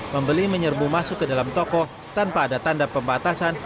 membeli menyerbu masuk ke dalam toko tanpa ada tanda pembatasan